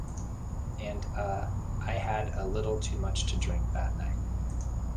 And uh, I had a little too much to drink that night.